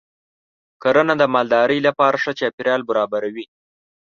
کرنه د مالدارۍ لپاره ښه چاپېریال برابروي.